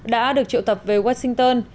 đã được triệu tập về washington